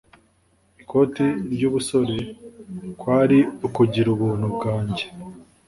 Ikoti ryubusore kwari ukugira ubuntu bwanjye